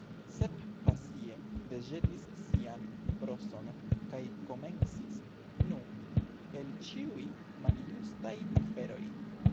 Sep pasie deĵetis sian broson, kaj komencis. "Nu, el ĉiuj maljustaj aferoj…"